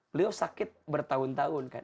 beliau sakit bertahun tahun kan